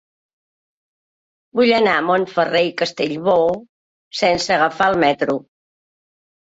Vull anar a Montferrer i Castellbò sense agafar el metro.